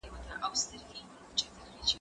دا قلمان له هغو ښايسته دي،